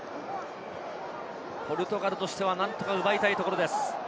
ポルトガルとしては何とか奪いたいところです。